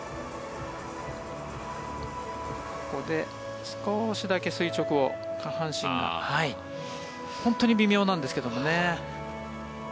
ここで少しだけ垂直を下半身が本当に微妙なんですけどもね。